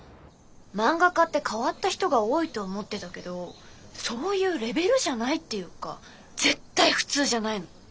漫画家って変わった人が多いと思ってたけどそういうレベルじゃないっていうか絶対普通じゃないの。